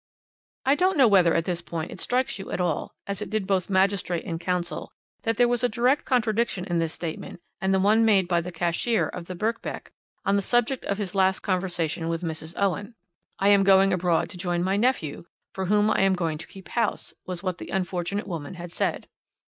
"I don't know whether at this point it strikes you at all, as it did both magistrate and counsel, that there was a direct contradiction in this statement and the one made by the cashier of the Birkbeck on the subject of his last conversation with Mrs. Owen. 'I am going abroad to join my nephew, for whom I am going to keep house,' was what the unfortunate woman had said.